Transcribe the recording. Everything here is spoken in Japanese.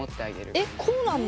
えこうなんだ。